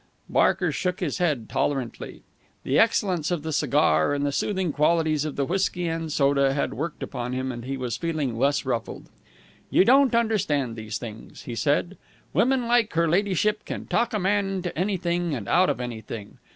Barker shook his head tolerantly. The excellence of the cigar and the soothing qualities of the whisky and soda had worked upon him, and he was feeling less ruffled. "You don't understand these things," he said. "Women like her ladyship can talk a man into anything and out of anything.